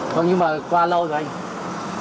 thôi nhưng mà qua lâu rồi anh